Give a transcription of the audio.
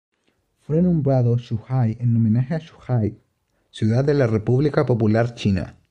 Fue nombrado Zhuhai en homenaje a Zhuhai ciudad de la República Popular China.